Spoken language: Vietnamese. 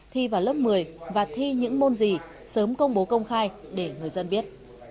thi vào lớp một mươi và thi những môn gì sớm công bố công khai để người dân biết